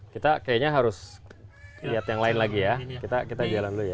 kita kayaknya harus lihat yang lain lagi ya kita jalan dulu ya